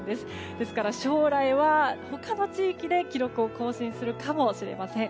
ですから将来は、他の地域で記録更新するかもしれません。